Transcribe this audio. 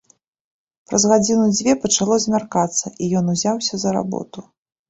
Праз гадзіны дзве пачало змяркацца, і ён узяўся за работу.